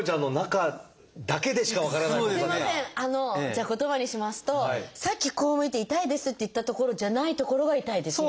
じゃあ言葉にしますとさっきこう向いて「痛いです」って言った所じゃない所が痛いです